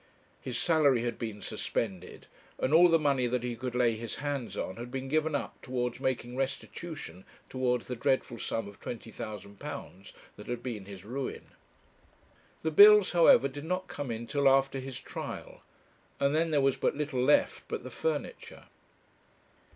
His salary had been suspended, and all the money that he could lay his hands on had been given up towards making restitution towards the dreadful sum of £20,000 that had been his ruin. The bills, however, did not come in till after his trial, and then there was but little left but the furniture.